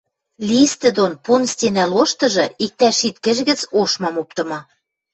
Листӹ дон пун стенӓ лоштыжы иктӓ шит кӹжгӹц ошмам оптымы...